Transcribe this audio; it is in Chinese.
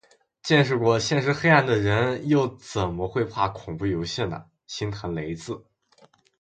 见识过现实黑暗的人，又怎么会怕恐怖游戏呢，心疼雷子